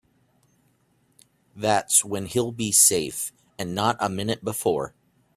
That's when he'll be safe and not a minute before.